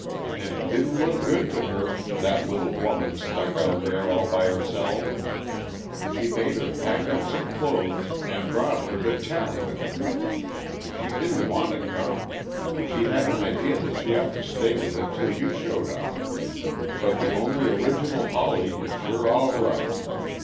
And it didn't look good to her that little woman stuck out there all by herself. She made her pack up some clothes, and brought her to town with her. She didn't want to come; she had an idea that she ought to stay with it till you showed up. But the only original Hawley is sure all right!